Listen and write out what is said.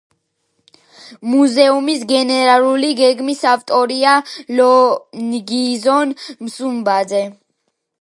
მუზეუმის გენერალური გეგმის ავტორია ლონგინოზ სუმბაძე.